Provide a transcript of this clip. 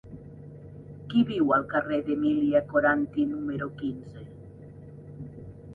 Qui viu al carrer d'Emília Coranty número quinze?